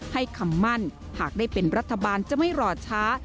คำมั่นหากได้เป็นรัฐบาลจะไม่รอช้า